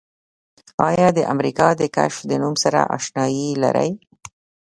آیا د امریکا د کشف د نوم سره آشنایي لرئ؟